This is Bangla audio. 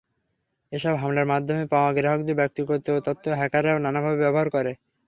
এসব হামলার মাধ্যমে পাওয়া গ্রাহকদের ব্যক্তিগত তথ্য হ্যাকাররা নানাভাবে ব্যবহার করে।